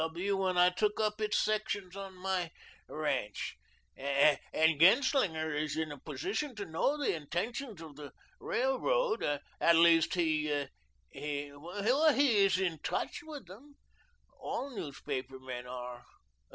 W. when I took up its sections on my ranch, and and Genslinger is in a position to know the intentions of the railroad. At least, he he he is in TOUCH with them. All newspaper men are.